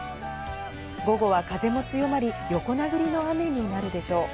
午後は風も強まり、横殴りの雨になるでしょう。